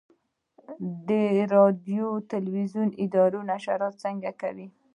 د راډیو تلویزیون اداره نشرات څنګه کوي؟